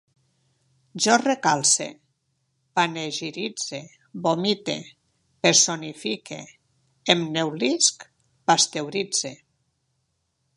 Jo recalce, panegiritze, vomite, personifique, em neulisc, pasteuritze